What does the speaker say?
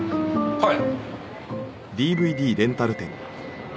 はい。